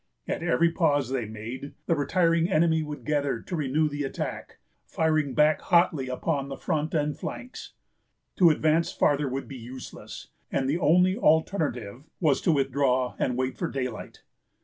At every pause they made, the retiring enemy would gather to renew the attack, firing back hotly upon the front and flanks. To advance farther would be useless, and the only alternative was to withdraw and wait for daylight.